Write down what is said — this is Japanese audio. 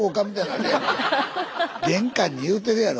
玄関に言うてるやろ？